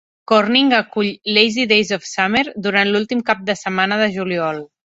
Corning acull "Lazy Days of Summer" durant l'últim cap de setmana de juliol.